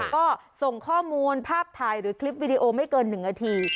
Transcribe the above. ก็ส่งข้อมูลภาพถ่ายหรือคลิปวิดีโอไม่เกิน๑นาที